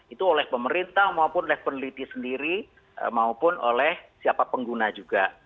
itu oleh pemerintah maupun oleh peneliti sendiri maupun oleh siapa pengguna juga